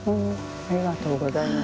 ありがとうございます。